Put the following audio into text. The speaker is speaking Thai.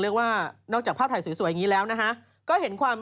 เรียกว่านอกจากภาพถ่ายสวยอย่างนี้แล้วนะฮะก็เห็นความ